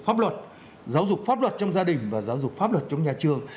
pháp luật giáo dục pháp luật trong gia đình và giáo dục pháp luật trong nhà trường